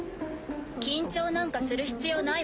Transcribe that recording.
・緊張なんかする必要ないわ。